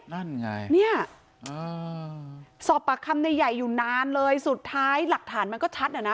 นั่นไงเนี่ยสอบปากคำในใหญ่อยู่นานเลยสุดท้ายหลักฐานมันก็ชัดอ่ะนะ